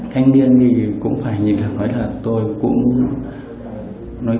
thắng cũng chơi một số trò chơi